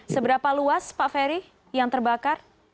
seberapa luas pak ferry yang terbakar